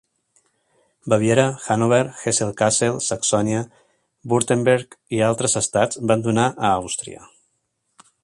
Baviera, Hannover, Hesse-Kassel, Saxònia, Württemberg i altres estats van donar a Àustria.